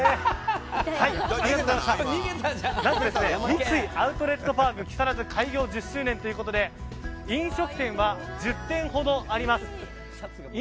三井アウトレットパーク木更津開業１０周年ということで飲食店は１０店ほどあります。